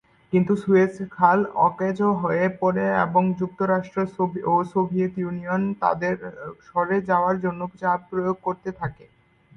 কিন্তু সুয়েজ খাল অকেজো হয়ে পড়ে এবং যুক্তরাষ্ট্র ও সোভিয়েত ইউনিয়ন তাদের সরে যাওয়ার জন্য চাপ প্রয়োগ করতে থাকে।